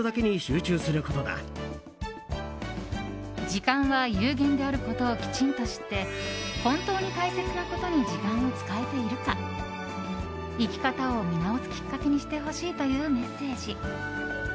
時間は有限であることをきちんと知って本当に大切なことに時間を使えているか生き方を見直すきっかけにしてほしいというメッセージ。